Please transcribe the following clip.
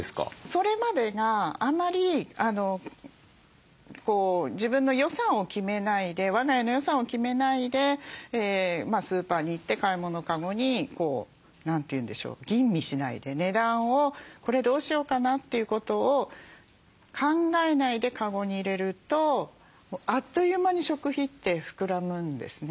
それまでがあまり自分の予算を決めないで我が家の予算を決めないでスーパーに行って買い物カゴに何て言うんでしょう吟味しないで値段をこれどうしようかなということを考えないでカゴに入れるとあっという間に食費って膨らむんですね。